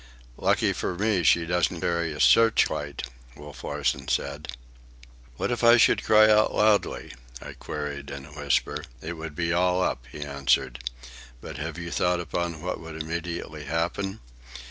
"Lucky for me he doesn't carry a searchlight," Wolf Larsen said. "What if I should cry out loudly?" I queried in a whisper. "It would be all up," he answered. "But have you thought upon what would immediately happen?"